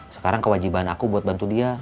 sekarang kewajiban aku buat bantu dia